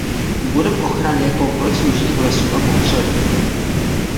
Důvodem ochrany je komplex lužních lesů a mokřadů.